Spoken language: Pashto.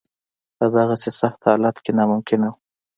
په دغسې سخت حالت کې ناممکنه وه.